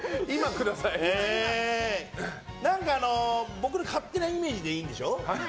僕の勝手なイメージでいいんでしょ？